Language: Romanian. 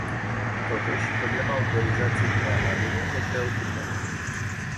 Totuși, problema autorizației prealabile mă preocupă.